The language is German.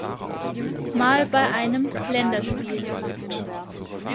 Mal bei einem Länderspiel.